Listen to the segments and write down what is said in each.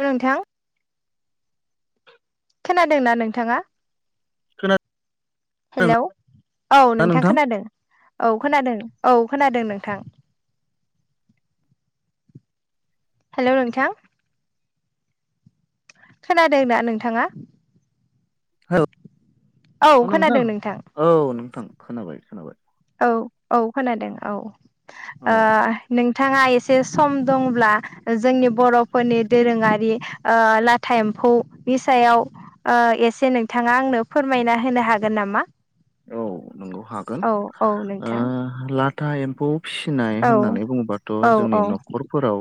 हेल' नोंथां खोनादोंना नोंथांङा? खोना [unintelligible] हेलौ औ नोंथां खोनादों औ खोनादों औ। खोनादों नोंथां! हेल' नोंथा! खोनादोंना नोंथांङा? [unintelligible] औ नोंथां औ नोंथां खोनाबाय-खोनाबाय। औ-औ खोनादों औ! औ आ नोंथांङा एसे सम दंब्ला जोंनि बर'फोरनि दोरोंङारि ओ लाथा एम्फौ नि सायाव ओ एसे नोंथांङा आंनो फोरमायना होनो हागोन नामा? औ नंगौ हागोन औ औ ओ नोंथां लाथा एम्फौ फिसिनाय औ होननानै बुङोबाथ' औ जोंनि औ न'खरफोराव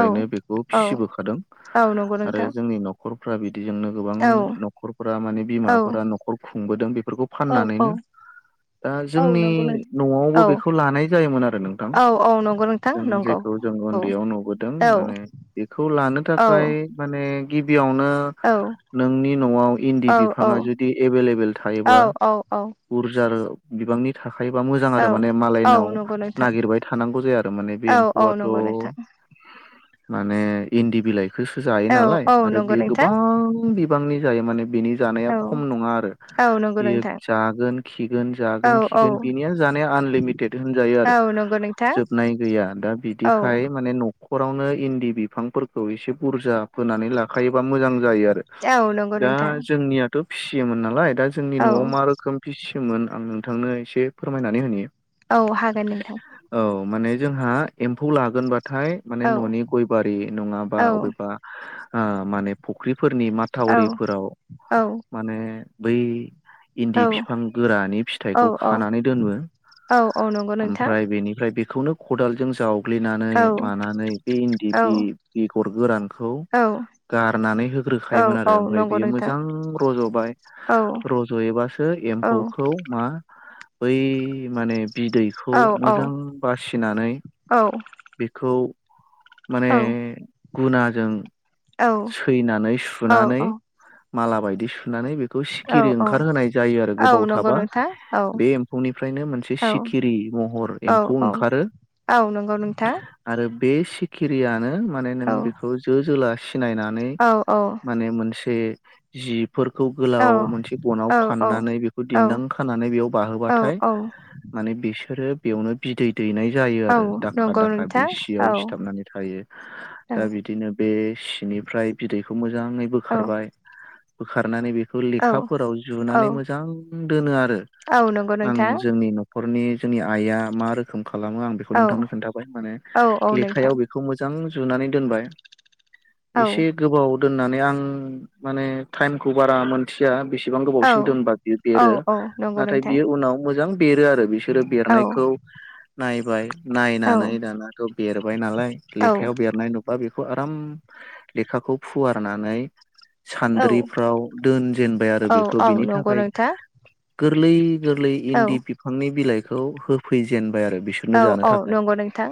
औ बेखौ औ फिसिबोखादों, औ नंगौ आरो नोंथां जोंनि न'खर न'खरफ्रा बिदिजोंनो गोबां औ न'खरफोरा माने बिमाफोरा न'खर खुंबोदों बेफोरखौ औ-औ! फाननानैनो दा जोंनि न'आवबो औ बेखौ लानाय जायोमोन आरो नोंथां औ औ नंगौ नोंथां जों नंगौ [unintelligible] [unintelligible] जों औ उन्दैयाव नुबोदों औ माने बेखौ लानो औ थाखाय माने गिबियावनो औ नोंनि न'आव इन्दि औ औ बिफांङा जुदि एभेलेबेल थायोबा औ औ औ बुरजार बिबांनि थाखाय थायोबा मोजां औ आरो माने मालायनाव औ नंगौ नोंथां नागिरबाय थानांगौ जाया आरो माने बे औ औ एम्फौआथ' नंगौ नोंथां [inaudible] माने इन्दि बिलाइ बेखौसो जायो औ नालाय औ आरो नंगौ बियो नोंथां गोबां बिबांनि जायो माने बिनि जानाया औ खम नंङा आरो। औ नंगौ बियो नोंथां, जागोन खिगोन औ जागोन औ खिगोन बिनिया जानाया आनलिमिटेड होनजायो आरो। औ नंगौ नोंथां जोबनाय गैया दा औ बिदिखाय माने नखर न'खरावनो इन्दि बिफांफोरखौ एसे बुरजा फोनानै लाखायोबा मोजां! [unintelligible] आरो औ नंगौ दा नोंथां जोंनियाथ फिसियोमोन नालाय दा जोंनि औ न'आव मा रोखोम फिसि मोन आं नोंथांनो एसे फोरमायनानै होनि। औ हागोन नोंथां! औ माने जोंहा एम्फौ लागोनबा थाय माने औ न'नि गय बारि नंङाबा औ अबेबा आ माने फख्रि फोरनि औ माथावरिफोराव औ माने बै इन्दि औ बिफां गोरानि औ फिथाइखौ खानानै दोनो औ औ नंगौ नोंथां ओमफ्राय बेनिफ्राय बे बेखौनो खदालजों जावग्लिनानै औ मानानै बे इन्दि औ बि बेगर गोरान खौ औ गारनानै औ होग्रोखायोमोन आरो औ ओमफ्राय नंगौ बियो नोंथां मोजां रज'बाय औ रज'योबा औ एम्फौखौ मा बै माने बिदैखौ औ मोजां बासिनानै औ बेखौ माने औ गुनाजों औ सैनानै सुनानै औ माला बायदि सुनानै बेखौ सिखिरि औ औ ओंखारहोनाय यो आरो औ गोबाव नंगौ थाबा नोंथां औ बे एम्फौनिफ्रायनो मोनसे औ सिखिरि महर एम्फौ औ औ ओंखारो औ नंगौ नोंथां आरो बे सिखिरियानो माने नों औ बेखौ जो- जोला सिनायनानै औ औ माने मोनसे जिब- [unintelligible] गोलाव औ मोनसे गनाव औ [unintelligible] बेखौ औ दिन्दां खानानै बेयाव औ बाहोबाथाय, माने बिसोरो बेयावनो बिदै दैनाय जायो औ आरो। दाखा- नंगौ दाखा बे नोंथां सियाव औ सिथाबनानै थायो। दा औ बिदिनो बे सिनिफ्राय बिदैखौ मोजाङै औ बोखारबाय। [inaudible] बोखारनानै बेखौ औ लेखाफोराव औ जुनानै मोजां दोनो आरो। [unintelligible] औ नंगौ आं नोंथां जोंनि न'खरनि जोंनि आइआ मा रोखोम खालामो आं औ बेखौ नोंथांनो खोन्थाबाय। माने औ औ नोंथां लेखायाव बेखौ मोजां जुनानै दोनबाय। औ एसे गोबाव दोननानै। आं माने टाइमखौ बारा मोनथिया बेसे बेसेबां औ गोबावसिन दोनबा बियो औ बेरो। औ नंगौ नाथाय नोंथां बियो उनाव मोजां बेरो आरो बिस- [unintelligible] औ बेरनायखौ नायबाय। नायनानै दानाथ' बेरबाय नालाय, औ लेखायाव बेरनाय नुबा बेखौ आराम लेखाखौ फुवारनानै औ सान्द्रिफ्राव दोनजेनबाय आरो बेखौ औ बिनि नंगौ थाखाय नोंथां। गोरलै -गोरलै औ इन्दि बिफांनि बिलाइखौ होफैजेनबाय आरो। बिसोरनो औ जानो औ थाखाय। नंगौ नोंथां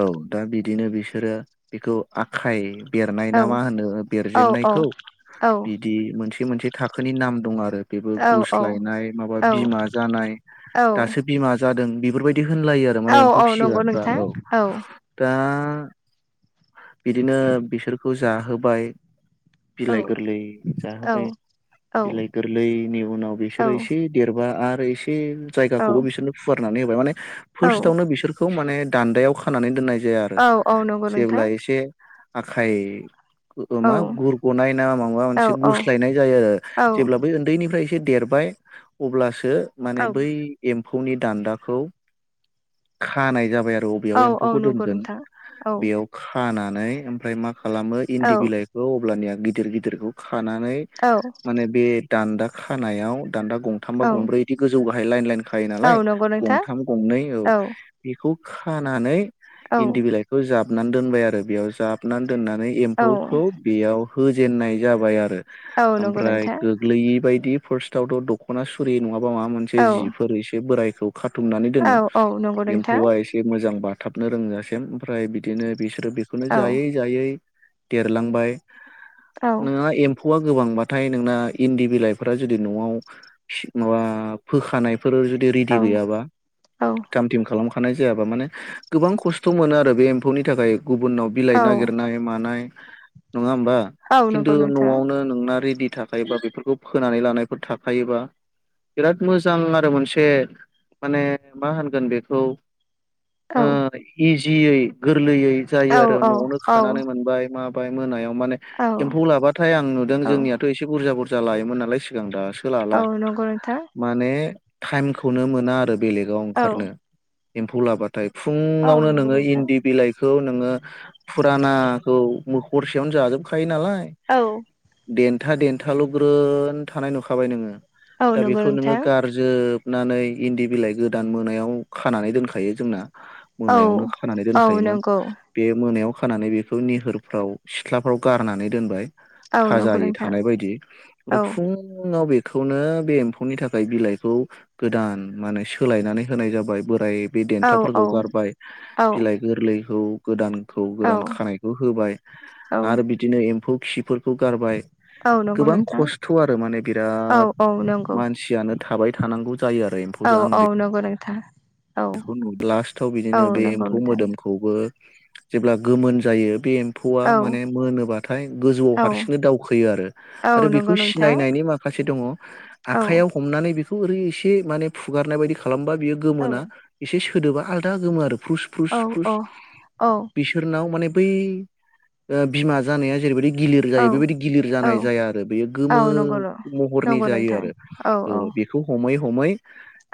औ दा बिदिनो बिसोरो बेखौ आखाय बेरनाय ना मा औ होनो। औ बेरजेननायखौ औ बिदि मोनसे मोनसे थाखोनि नाम दं आरो। बेबो औ गुस्लायनाय, माबा औ औ बिमा जानाय औ दासो बिमा जादों बेफोरबायदि बिदि होनलायो आरो। माने एम्फौ औ नंगौ फिसिग्राफ्रा नोंथां औ दा बिदिनो, बिसोरखौ जाहोबाय औ बिलाइ गोरलै औ जाहोबाय। औ बिलाइ गोरलैनि उनाव, बिसोरो एसे देरबा आरो एसे औ जायगाखौबो बिसोरनो फुवारनानै होबाय। माने औ फार्स्टआवनो बिसोरखौ माने दान्दायाव खानानै दोननाय जाया आरो औ औ नंगौ नोंथां जेब्ला एसे आखाइ औ मा गुरग'नाय ना माबा, मोनसे औ औ गुस्लायनाय जायो। औ जेब्ला बै उन्दैनिफ्राय एसे देरबाय। अब्लासो माने बै एम- [unintelligible] दान्दाखौ खानाय जाबाय आरो। औ, बेयाव एम्फौखौ नंगौ दोनगोन नोंथां औ बेयाव खाना नै ओमफ्राय मा खालामो, औ इन्दि बिलाइखौ अब्लानिया गिदिर -गिदिरखौ खानानै औ माने बे दान्दा खानायाव, दान्दा गंथाम बा औ गंब्रै इदि गोजौ बाहाय लाइन- लाइन खायो नालाय, औ नंगौ नोंथां गंथाम गंनै औ बेखौ खानानै इन्दि बिलाइखौ जाबनानै दोनबाय आरो। बेयाव जाबनानै दोननानै औ एम्फौखौ बेयाव होजेननाय जाबाय आरो। औ नंगौ ओमफ्राय नोंथां। गोग्लैयि बायदि फार्स्टआवथ' दख'ना सुरि नङाबा माबा मोनसे औ जिफोर एसे बोराय खाथुमनानै दोनो औ औ नंगौ नोंथां एम्फौआ एसे मोजां बाथाबनो रोंजासिम ओमफ्राय बिदिनो बिसोरो बेखौनो औ जायै -जायै देरलांबाय। औ नोंहा एम्फौआ गोबांबाथाय नोंना इन्दि बिलाइफोरा जुदि न'आव माबा फोखानाय [unintelligible] जुदि रेदि औ गैयाबा औ थाम- थिम खालाम [unintelligible] जायाबा माने गोबां खस्थ' मोनो आरो। बे एम्फौनि थाखाय। गुबुननाव बिलाइ औ नागिरनाय मानाय नंङा होमबा। औ खिन्थु नंगौ नोंथां न'आवनो नोंना रेडि थाखायोबा बेफोरखौ फोनानै लानायफोर थाखायोबा बिराद मोजां आरो, मोनसे माने मा होनगोन बेखौ ओ औ इजियै गोरलैयै औ जायो आरो, न'आवनो खानानै औ मोनबाय [unintelligible] मोनायाव माने औ एम्फौ लाबाथाय, आं नुदों औ जोंनियाथ' एसे बुरजा -बुरजा लायोमोन नालाय सिगां। दासो सोलाबला औ नंगौ नोंथां माने टाइमखौनो मोना आरो बेलेगाव औ ओंखारनो एम्फौ लाबा। नाथाय औ फुंङावनो नंगौ नोङो नोंथां इन्दि बिलाइ खौ नोंङो फुरानाखौ मखरसेयावनो जाजोबखायो नालाय। औ देथा देन्थाल' ग्रोन थानाय नुखाबाय नोंङो। औ दा नंगौ बेखौ नोंङो नोंथां गारजोब दोननानै इन्दि बिलाइ गोदान मोनायाव खानानै दोनखायो जोंना। औ मोनायावनो खानानै औ दोनखायोमोन नंगौ बे मोनायाव खानानै बेखौ निहोरफ्राव सिथ्लाफ्राव गारनानै दोनबाय। औ थाजायै नंगौ। नोंथां थानाय बायदि औ फ्राय फुंङाव बे खौनो बे एम्फौनि थाखाय बिलाइखौ गोदान माने सोलायनानै होनाय जाबाय बोराय बे औ देन्थाफोरखौ औ गारबाय औ बिलाइ गोरलैखौ गोदान थ औ गोदान खानायखौ होबाय, औ आरो बिदिनो एम्फौ खिफोरखौ ग औ नंगौ गोबां नोंथां खस्थ' आरो माने औ बिराद औ नंगौ मानसियानो थाबाय थानांगौ जायो आरो औ एम्फौजों आं औ बे [inaudible] बेखौ नु लास्टाव औ बिदिनो बे नंगौ एम्फौ नोंथां मोदोमखौबो जेब्ला गोमोन जायो बे ए्फौआ औ माने मोनोबाथाय गोजौआव औ हारसिंनो दावखोयो आरो औ आरो नंगौ बेखौ नोंथां सिनायनायनि माखासे दंङ औ आखाइयाव हमनानै बेखौ बेखौ ओरै एसे माने फुगारनाय बायदि खालामबा बियो औ गोमोना एसे सोदोबा आलदा गोमो आरो। फुस फुस औ फुस औ बिसोरनाव माने बै बिमा जानाया जेरैबायदि गिलिर औ जायो बेबायदि गिलिर औ जानाय जाया आरो बेयो औ गोमो नंगौ महरनि नंगौ जायो नोंथां आरो। औ बेखौ हमै हमै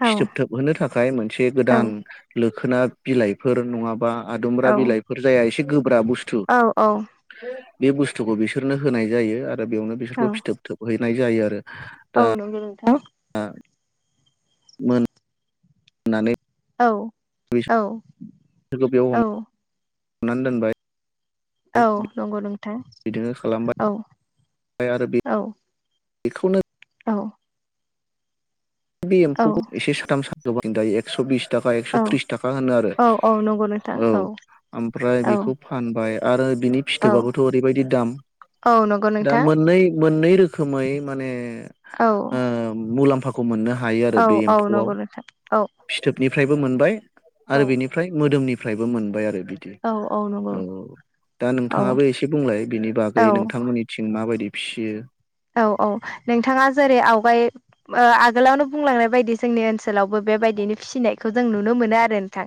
औ फिथोबथोबहोनो थाखाय मोनसे औ गोदान लोखोना बिलाइफोर नंङाब्ला। बा आदुमब्रा औ बिलाइफोर जाया एसे गोब्रााब बुस्थु। औ बे बुस्थुखौ बिसोरनो होनाय जायो आरो बेयावनो औ बिसोरखौ फिथोब थोबहैनाय जायो आरो दा औ औ नंगौ नोंथां मोन होननानै औ औ औ बेयाव हमनानै दोनबाय। औ नंगौ नोंथा औ। आरोबि बेखौनो औ बे औ एम्फौखौ एसे साथाम साथ दायो एकस' बिस ताका औ एकस'तिस थाखा होनो आरो औ औ नंगौ नोंथां औ आमफ्राय औ बेखौ फानबाय आरो बिनि औ फिथोबाबोथ' ओरैबायदि दाम। औ नंगौ दा नोंथां मोननै मोननै रोखोमै माने औ मुलाम्फाखौ। मोननो हायो आरो औ बे औ एम्फौ, नंगौ नोंथां औ फिथोबनि फ्रायबो मोनबाय औ आरो बिनिफ्राय मोदोमनिफ्रायबो मोनबाय आरो बिदि। औ औ नंगौ दा औ नोंथाङाबो एसे बुंलाय बिनि बागै औ नोंथांमोननिथिं माबायदि। फिसियो औ औ नोंथाङा जेरै आवगाय ओ आगोलावनो बुंलांनाय बायदि जोंनि ओनसोलावबो बेबायदिनो फिसिनायखौ जों नुनो मोनो आरो नोंथां।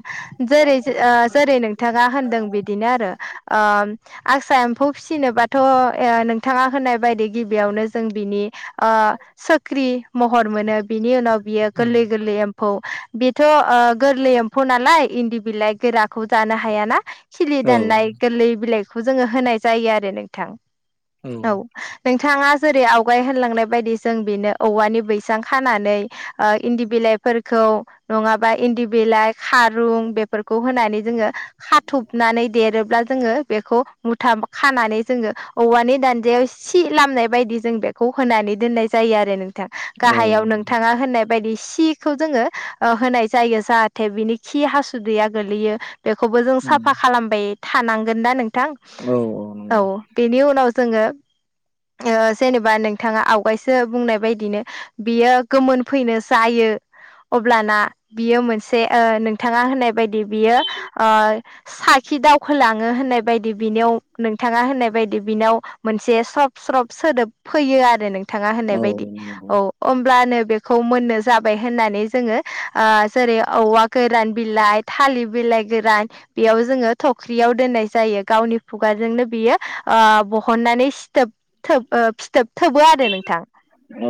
जेरै ओ जेरै नोंथाङा होनदों बिदिनो आरो। ओम आसा एम्फौ फिसिनोबाथ' नोंथाङा होनाय बायदि गिबि यावनो जों बिनि ओ सोख्रि महर मोनो बिनि उनाव बियो गोरलै गोरलै एम्फौ। बेथ' ओ गोरलै एम्फौ नालाय इन्दि बिलाइ गोराखौ जानो हायाना खिलि दाननाय औ गोरलै बिलाइखौ जोङो होनाय जायो आरो नोंथां औ औ नों थाङा जेरै आवगाय होनलांनाय बायदि जों बेनो औवानि बैसां खानानै इन्दि बिलाइ फोरखौ नङाबा इन्दि बिलाइ खारुं बेफोरखौ होनानै जोङो खाथब नानै देरोब्ला जोङो बेखौ मुथा खानानै जोङो औवानि दानदायाव सि लामनाय बायदि जों बेखौ होनानै दोननाय जायो आरो नोंथां। गाहायाव नंगौ नोंथाङा होननाय बायदि सिखौ जोङो होनाय जायो जाहाथे बिनि खि हासुदैया गोलैयो बेखौबो जों साफा खालामबाय थानांगोन ना नोंथां? औ औ नंगौ बेनि उनाव जोङो [inaudible] ओ जेनेबा नोंथाङा आवगायसो बुंनाय बायदिनो बियो गोमोन फैनो जायो अब्लाना बियो मोनसे ओ नोंथाङा होननाय बायदि बियो ओ सा खि दावखोलाङो होननाय बायदि बिनियाव नोंथाङा होननाय बायदि बिनाव मोनसे स्रब स्रब सोदोब फैयो आरो नोंथाङा होननाय औ बायदि नंगौ औ होमब्लानो बेखौ मोननो जाबाय होननानै जोङो ओ जेरै औवा गोरान बिलाइ थालिर बिलाइ गोरान बेयाव जोङो थख्रियाव दोननाय जायो गावनि खुगाजोंनो बियो ओ ब हननानै सिथोब थोब फिथोब थोबो आरो नोंथां। औ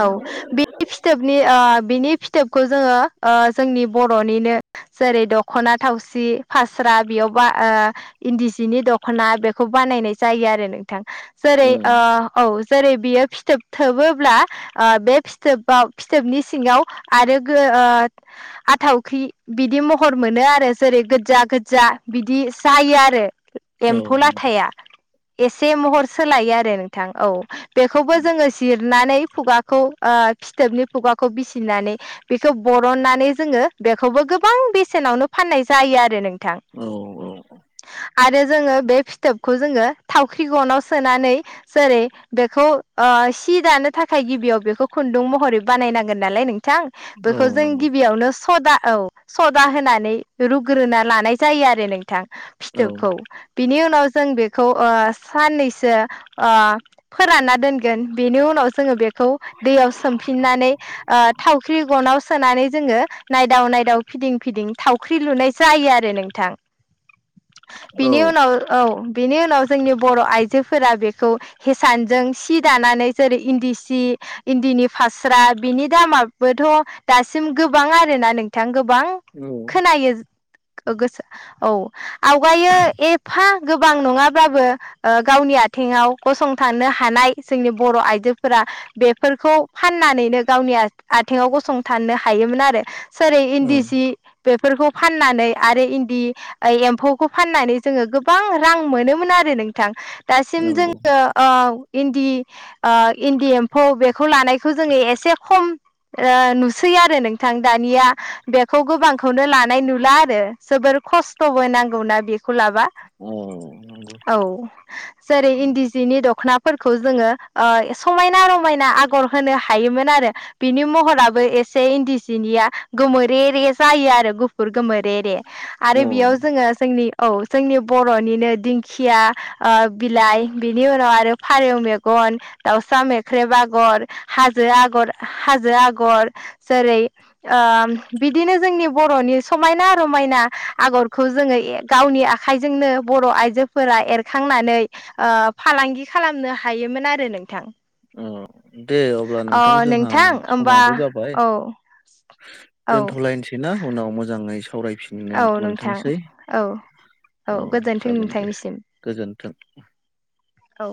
औ बे फिथोबनि आ बिनि फिथोबखौ जोङो ओ जोंनि बर'निनो जेरै- दख'ना थावसि, फास्रा, बेयाव बा आ इन्दि सिनि दख'ना बेखौ बानायनाय जायो आरो नोंथां जेरै आ औ जेरै बियो फिथोब थोबोब्ला आ बे फिथोबाव फिथोबनि सिङाव आरो आ आथावखि बिदि महर मोनो आरो जेरै गोजा- गोजा बिदि जायो आरो एम्फौ नंगौ औ लाथाया एसे महर सोलायो आरो नोंथां औ बेखौबो जोङो जिर नानै खुगाखौ ओ फिथोबनि खुगाखौ बिसिनानै बेखौ बरननानै जोङो बेखौबो गोबां बेसेनावनो फाननाय जायो आरो नों औ औ आरो जोङो बे फिथोबखौ जोङो थावख्रि गनाव सोननै जेरै बेखौ ओ सि दानो थाखाय गिबियाव बेखौ खुन्दुं महरै बानाय नांगोन नालाय नोंथां औ नंगौ औ बेखौ जों नंगौ गिबियावनो सदा औ सदा होनानै रुग्रोना लानाय जायो आरो नोंथां। औ फिथोबखौ बिनि उनाव जों बेखौ ओ साननैसो ओ फोरानना दोनगोन बेनि उनाव जोङो बेखौ दैयाव सोमफिननानै ओ थावख्रि गनाव सोनानै जोङो नायदाव-नायदाव फिदिं फिदिं थावख्रि लुनाय जा यो आरो नोंथां बिनि उनाव औ बिनि उनाव जोंनि बर' आइ आयजोफोरा बेखौ हेसानजों सि दानानै जेरै इन्दि सि, इन्दिनि फास्रा, बिनि दामाबोथ' दासिम गोबां आरोना नोंथां गोबां खोनायो औ गोसो औ आवगायो एफा गोबां नङाब्लाबो ओ गावनि आथिङाव गसंथानो हानाय जोंनि बर' आइजोफोरा बेफोरखौ फाननानै नो गावनि आथिङाव गसंथानो हायोमोन आरो। सरि इन्दि सि बेफोरखौ फाननानै आरो इन्दि एम्फौखौ फाननानै जोङो गोबां रां मोनोमोन आरो [inaudible] नोंथां दासिम जोङो अ इन्दि ओ इन्दि एम्फौ बेखौ लानायखौ जोङो एसे खम ओ नुसै आरो नोंथां दानिया बेखौ गोबांखौनो लानाय नुला आरो जोबोर खस्थ'बो नांगौना बे खौ लाबा नंगौ औ जेरै इन्दि जिनि द दखनाफोरखौ जोङो ओ समायना रमायना आगर होनो हायोमोन आरो बिनि महरा बो एसे इन्दि सिनिया गोमो रे रे जायो आरो गुफुर गोमो रे रे औ आरो बेयाव जोङो जोंनि औ जोंनि बर'निनो दिंखिया ओ बिलाइ बिनि उनाव आरो फारौ मेगन दाउसा मेख्रेब आगर हाजो आगर हाजो आगर ओम बिदिनो जोंनि बर'नि समायना रमायना आगरखौ जोङो ए गावनि आखाइ जोंनो बर' आइजोफोरा एरखांनानै ओ फालांगि खालामनो हायोमोन आरो नोंथां ओ दे अब्ला अ नोंथां जोंहा नोंथां होमबा समाबो जाबाय औ औ दोनथ'लायनोसैना उनाव मोजाङै स सावरायफिननो औ नोंथां मोनथोंसै औ औ गोजोन्थों जागोन दे नोंथांनिसिम गोजोन्थों औ